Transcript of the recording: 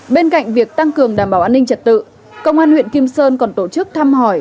bên cạnh việc tăng cường đảm bảo an ninh trật tự công an huyện kim sơn còn tổ chức thăm hỏi